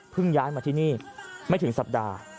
ย้ายมาที่นี่ไม่ถึงสัปดาห์